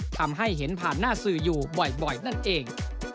ทำให้เห็นผ่านหน้าสื่ออยู่บ่อยนั่นเอง